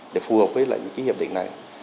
để phù hợp với lại những cái hiệp định này